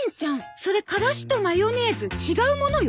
それカラシとマヨネーズ違うものよ。